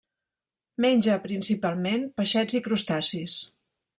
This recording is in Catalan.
Menja principalment peixets i crustacis.